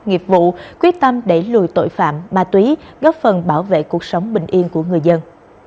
nghiệp vụ quyết tâm đẩy lùi tội phạm ma túy góp phần bảo vệ cuộc sống bình yên của người dân